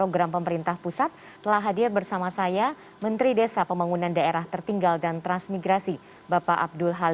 alhamdulillah sehat terus mudah mudahan terus sehat